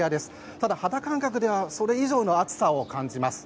ただ、肌感覚ではそれ以上の暑さを感じます。